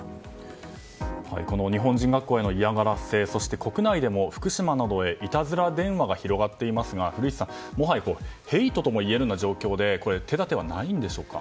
この日本人学校への嫌がらせ国内でも福島などへいたずら電話が広がっていますが古市さん、もはやヘイトともいえるような状態で手立てはないんでしょうか。